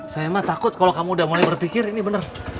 saya mah takut kalau kamu udah mulai berpikir ini benar